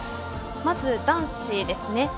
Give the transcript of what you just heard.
まず男子ですね。